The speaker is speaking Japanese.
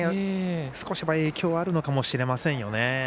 少し影響はあるのかもしれませんよね。